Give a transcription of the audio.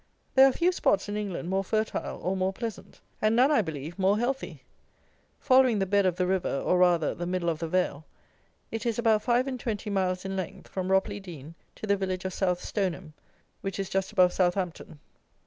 There are few spots in England more fertile or more pleasant; and none, I believe, more healthy. Following the bed of the river, or, rather, the middle of the vale, it is about five and twenty miles in length, from Ropley Dean to the village of South Stoneham, which is just above Southampton.